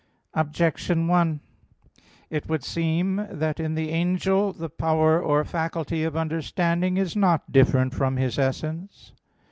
Objection 1: It would seem that in an angel the power or faculty of understanding is not different from his essence.